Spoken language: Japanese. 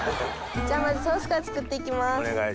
じゃあまずソースから作っていきます。